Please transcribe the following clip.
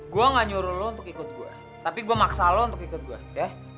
gue gak nyuruh lo untuk ikut gue tapi gue maksa lo untuk ikut gue ya